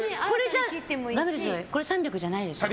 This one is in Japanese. これ３００じゃないですよね。